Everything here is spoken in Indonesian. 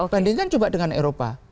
bandingkan coba dengan eropa